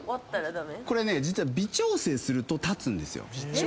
これね実は微調整すると立つんですよ。